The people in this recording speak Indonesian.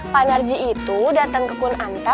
pak narji itu datang ke kun anta